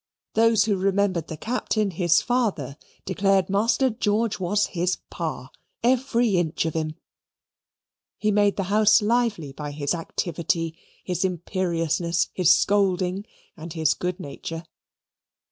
Those who remembered the Captain his father, declared Master George was his Pa, every inch of him. He made the house lively by his activity, his imperiousness, his scolding, and his good nature.